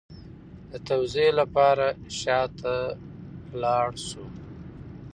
د توضیح لپاره شا ته لاړ شو